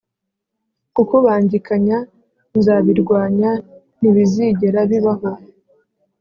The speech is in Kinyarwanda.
Kukubangikanya nzabirwanya ntibizigera bibaho